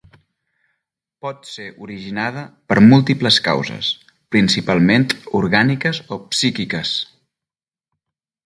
Pot ser originada per múltiples causes, principalment orgàniques o psíquiques.